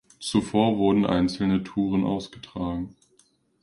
Zuvor wurden einzelne Touren ausgetragen.